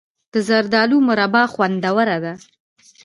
د زردالو مربا خوندوره وي.